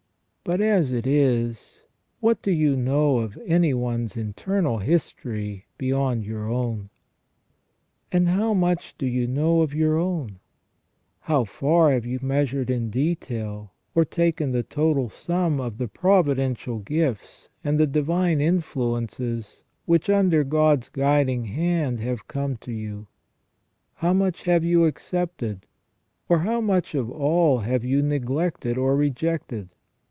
But, as it is, what do you know of any one's internal history beyond your own ? And how much do you know of your own ? How far have you measured in detail, or taken the total sum, of the providential gifts, and the divine influences, which under God's WHY MAN WAS NOT CREATED PERFECT 257 guiding hand have come to you ? How much have you accepted, or how much of all have you neglected or rejected